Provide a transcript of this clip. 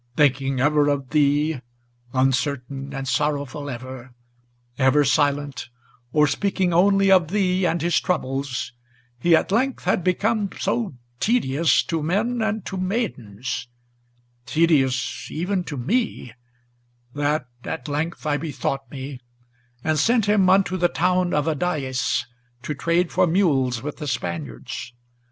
Thinking ever of thee, uncertain and sorrowful ever, Ever silent, or speaking only of thee and his troubles, He at length had become so tedious to men and to maidens, Tedious even to me, that at length I bethought me, and sent him Unto the town of Adayes to trade for mules with the Spaniards.